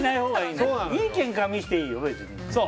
いいけんかは見せていいよ、別に。